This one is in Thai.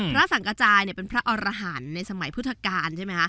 พระสังกระจายเป็นพระอรหันต์ในสมัยพุทธกาลใช่ไหมคะ